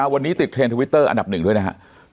วันนี้ติดเทรนดทวิตเตอร์อันดับหนึ่งด้วยนะครับ